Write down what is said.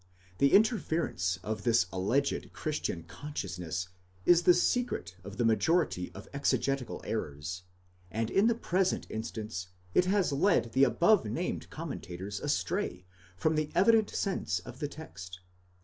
The interfer ence of this alleged Christian consciousness is the secret of the majority of exegetical errors, and in the present instance it has led the above named commentators astray from the evident sense of the text.